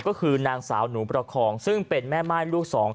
ก็คือนางสาวหนูประคองซึ่งเป็นแม่ม่ายลูกสอง